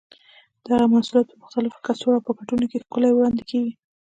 دغه محصولات په مختلفو کڅوړو او پاکټونو کې ښکلي وړاندې کېږي.